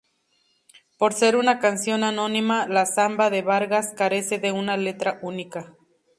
Por ser una canción anónima, la "Zamba de Vargas" carece de una letra única.